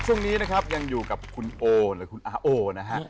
ช่วงนี้นะครับยังอยู่กับคุณโอหรือคุณอาโอนะฮะ